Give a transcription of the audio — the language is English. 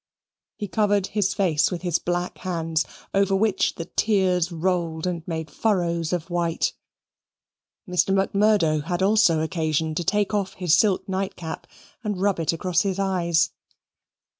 He covered his face with his black hands, over which the tears rolled and made furrows of white. Mr. Macmurdo had also occasion to take off his silk night cap and rub it across his eyes.